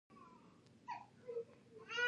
دا دریځ ضروري دی.